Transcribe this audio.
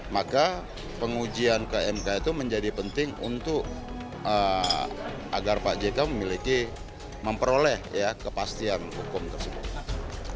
maka pengujian ke mk itu menjadi penting untuk agar pak jk memiliki memperoleh kepastian hukum tersebut